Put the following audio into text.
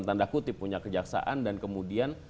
tanda kutip punya kejaksaan dan kemudian